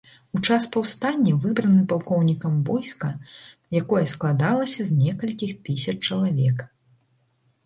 У час паўстання выбраны палкоўнікам войска, якое складалася з некалькіх тысяч чалавек.